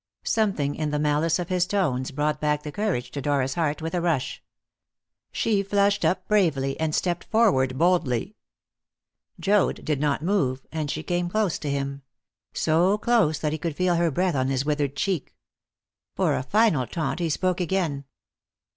Something in the malice of his tones brought back the courage to Dora's heart with a rush. She flushed up bravely, and stepped forward boldly. Joad did not move, and she came close to him so close that he could feel her breath on his withered cheek. For a final taunt he spoke again.